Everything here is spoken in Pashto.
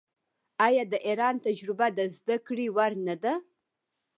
آیا د ایران تجربه د زده کړې وړ نه ده؟